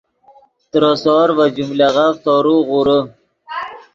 ترے سور ڤے جملغف تورو غورے